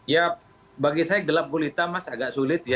ya bagi saya gelap gulita mas agak sulit ya